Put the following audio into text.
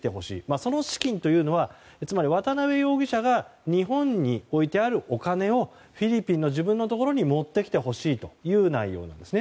その資金というのはつまり渡邉容疑者が日本に置いてあるお金をフィリピンの自分のところに持ってきてほしいという内容なんですね。